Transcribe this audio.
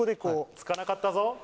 つかなかったぞ。